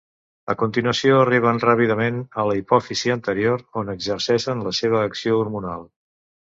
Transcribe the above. A continuació, arriben ràpidament a la hipòfisi anterior on exerceixen la seva acció hormonal.